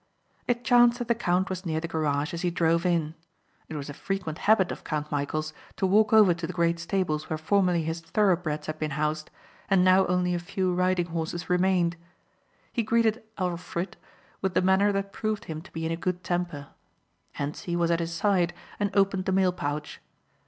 It chanced that the count was near the garage as he drove in. It was a frequent habit of Count Michæl's to walk over to the great stables where formerly his thoroughbreds had been housed and now only a few riding horses remained. He greeted "Arlfrit" with the manner that proved him to be in a good temper. Hentzi was at his side and opened the mail pouch.